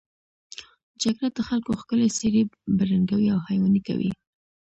جګړه د خلکو ښکلې څېرې بدرنګوي او حیواني کوي